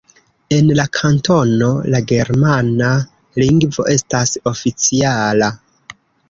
En la kantono, la germana lingvo estas oficiala.